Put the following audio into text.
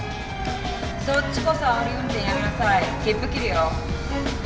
そっちこそあおり運転やめなさい切符切るよ。